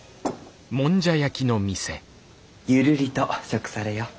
ゆるりと食されよ。